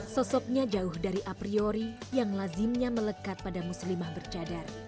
sosoknya jauh dari apriori yang lazimnya melekat pada muslimah bercadar